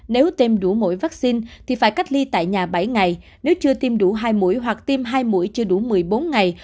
nếu tiêm đủ mỗi vaccine thì phải cách ly tại nhà bảy ngày nếu chưa tiêm đủ hai mũi hoặc tiêm hai mũi chưa đủ một mươi bốn ngày